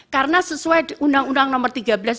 karena sesuai undang undang nomor tiga belas dua ribu sebelas